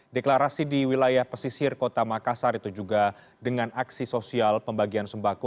deklarasi di wilayah pesisir kota makassar itu juga dengan aksi sosial pembagian sembako